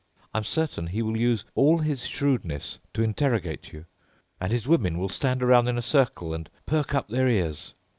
I'm certain he will use all his shrewdness to interrogate you. And his women will sit around in a circle and perk up their ears.